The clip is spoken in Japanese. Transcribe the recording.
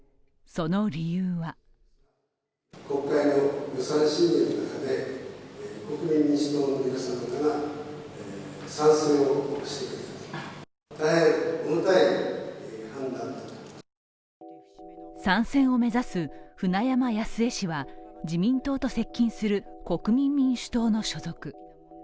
その理由は３選を目指す舟山康江氏は自民党と接近する国民民主党の所属。